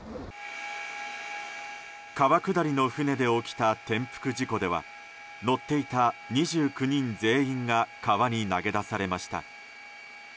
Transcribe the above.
川下りの船で起きた転覆事故では乗っていた２９人全員が川に投げ出されました。